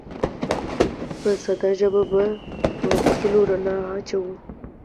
په ساده ژبه به په ټولو اصولو رڼا واچوو